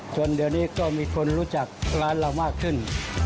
จนเดี๋ยวนี้ก็มีคนรู้จักร้านเรามากขึ้น